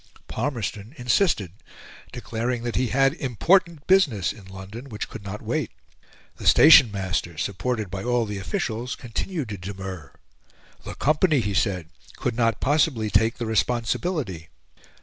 Palmerston insisted declaring that he had important business in London, which could not wait. The station master supported by all the officials, continued to demur the company, he said, could not possibly take the responsibility.